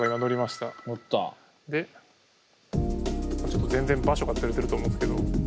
ちょっと全然場所がズレてると思うんですけど。